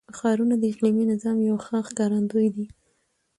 ښارونه د اقلیمي نظام یو ښه ښکارندوی دی.